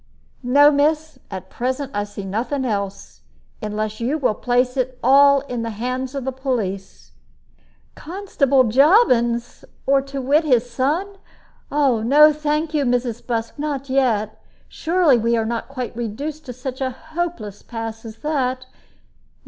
"No, miss, at present I see nothing else. Unless you will place it all in the hands of the police." "Constable Jobbins, to wit, or his son! No, thank you, Mrs. Busk, not yet. Surely we are not quite reduced to such a hopeless pass as that.